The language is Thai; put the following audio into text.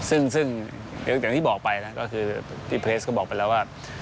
ซึ่งอย่างที่บอกไปนะก็คือพี่เพลสก็บอกไปแล้วว่า